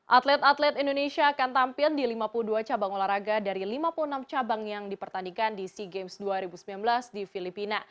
atlet atlet indonesia akan tampil di lima puluh dua cabang olahraga dari lima puluh enam cabang yang dipertandingkan di sea games dua ribu sembilan belas di filipina